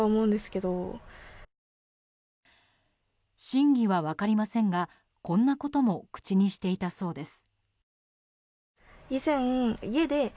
真偽は分かりませんがこんなことも口にしていたそうです。